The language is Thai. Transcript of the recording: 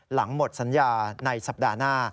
หมดสัญญาในสัปดาห์หน้า